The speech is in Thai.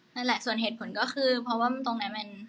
นั่นแหละส่วนเหตุผลก็คือเพราะว่าตรงนั้นมัน